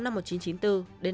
tóm tắt quá trình công tác